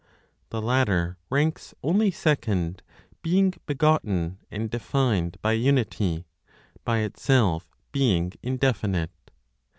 The latter ranks only second, being begotten and defined by unity, by itself being indefinite.